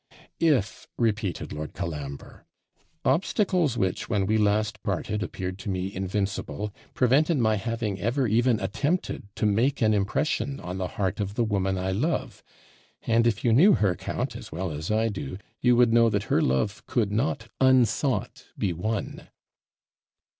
'IF,' repeated Lord Colambre. 'Obstacles which, when we last parted, appeared to me invincible, prevented my having ever even attempted to make an impression on the heart of the woman I love; and if you knew her, count, as well as I do, you would know that her love could "not unsought be won."'